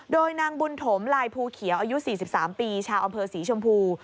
โดยนางบุญถมลายภูเขียวอายุ๔๓ปีชาวอำเภอศรีชมพู